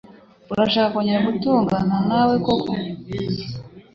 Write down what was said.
Urashaka kongera gutongana nawe koko?